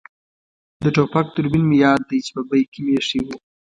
د ټوپک دوربین مې یاد دی چې په بېک کې مې اېښی وو.